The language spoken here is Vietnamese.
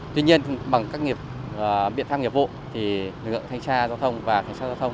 tuy nhiên bằng các nghiệp biện pháp nghiệp vụ lực lượng khánh tra giao thông và khánh tra giao thông